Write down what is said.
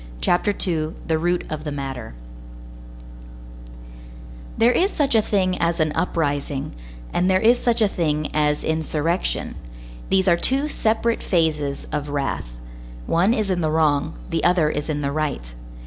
CHAPTER II—THE ROOT OF THE MATTER There is such a thing as an uprising, and there is such a thing as insurrection; these are two separate phases of wrath; one is in the wrong, the other is in the right.